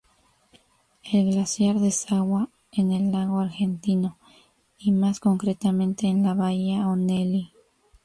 El glaciar desagua en el lago Argentino y más concretamente en la bahía Onelli.